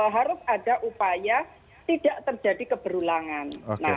harus ada upaya tidak terjadi keberulangan